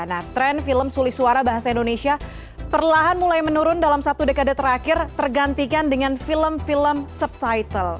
nah tren film sulih suara bahasa indonesia perlahan mulai menurun dalam satu dekade terakhir tergantikan dengan film film subtitle